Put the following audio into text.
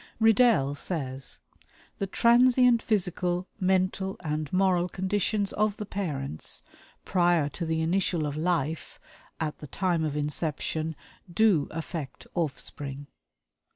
Riddell says: "The transient physical, mental and moral conditions of the parents, prior to the initial of life, at the time of inception, do affect offspring."